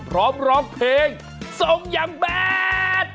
ร้องร้องเพลงทรงอย่างแบด